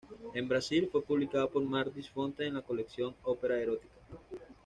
En Brasil fue publicada por Martins Fontes en la colección Opera Erotica.